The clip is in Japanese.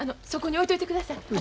そこに置いといてください。